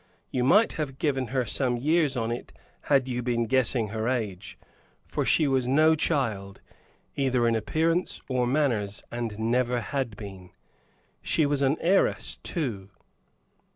You might have given her some years on it had you been guessing her age, for she was no child, either in appearance or manners, and never had been. She was an heiress, too.